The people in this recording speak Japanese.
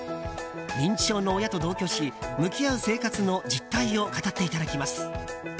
認知症の親と同居し向き合う生活の実態を語っていただきます。